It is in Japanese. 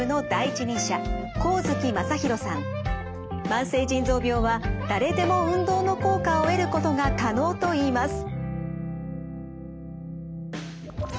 慢性腎臓病は誰でも運動の効果を得ることが可能といいます。